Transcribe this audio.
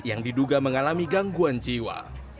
yang diduga mengalami gangguan jiwa